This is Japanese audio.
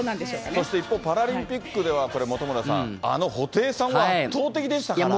そして一方、パラリンピックでは、本村さん、あの布袋さんは圧倒的でしたから。